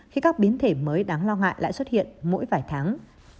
khi các biến thể mới đáng lo ngại lại xuất hiện mỗi vài tháng